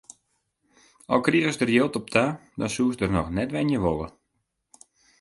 Al krigest der jild op ta, dan soest der noch net wenje wolle.